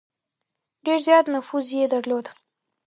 ډېر زیات نفوذ یې درلود.